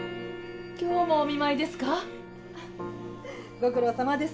ご苦労さまです